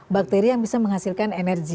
bakteri yang bisa menghasilkan energi